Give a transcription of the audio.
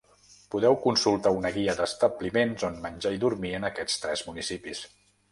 Podeu consultar una guia d’establiments on menjar i dormir en aquests tres municipis.